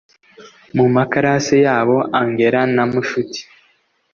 mumaclass yabo angella na mushuti